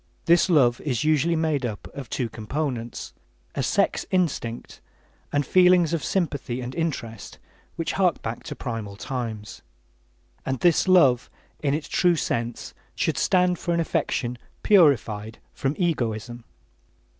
This love is usually made up of two components: a sex instinct, and feelings of sympathy and interest which hark back to primal times. And this love, in its true sense, should stand for an affection purified from egoism.